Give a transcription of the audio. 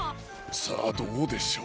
さあどうでしょう？